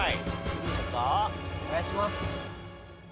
お願いします。